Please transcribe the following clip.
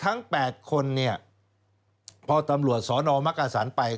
ทั้ง๘คนเนี่ยพอตำรวจสอนอมักกษันไป